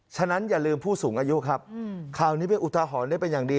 ฉะนั้นอย่าลืมผู้สูงอายุครับข่าวนี้เป็นอุทหรณ์ได้เป็นอย่างดี